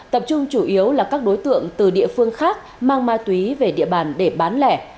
tập trung chủ yếu là các đối tượng từ địa phương khác mang ma túy về địa bàn để bán lẻ